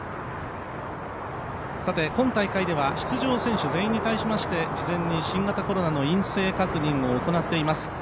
今大会では出場選手全員に対しまして事前に新型コロナの陰性確認を行っています。